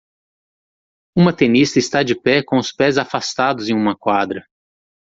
Uma tenista está de pé com os pés afastados em uma quadra.